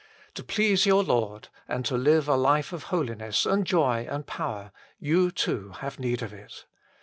To please your Lord and to live a life of holiness, and joy, and power, you too have need of it.